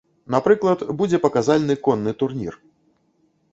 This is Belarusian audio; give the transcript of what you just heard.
Напрыклад, будзе паказальны конны турнір.